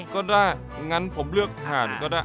ก็ได้งั้นผมเลือกทานก็ได้